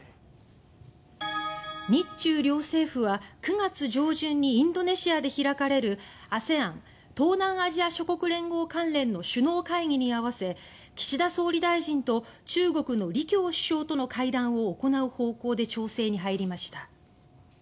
日中両政府は、９月上旬にインドネシアで開かれるＡＳＥＡＮ・東南アジア諸国連合関連の首脳会談に合わせ岸田総理大臣と中国の李強首相との会談を行う方向で調整に入りました。